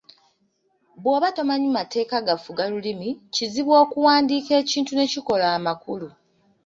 Bw'oba tomanyi mateeka gafuga lulimi, kizibu okuwandiika ekintu ne kikola amakulu.